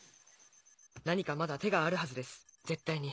何かまだ手があるはずです絶対に。